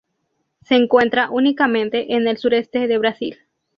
Se encuentra únicamente en el sureste de Brasil.